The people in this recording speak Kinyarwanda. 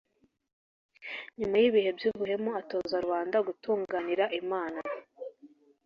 nyuma y'ibihe by'ubuhemu, atoza rubanda gutunganira imana